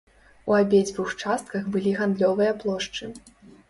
У абедзвюх частках былі гандлёвыя плошчы.